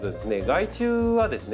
害虫はですね